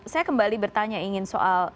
saya kembali bertanya ingin soal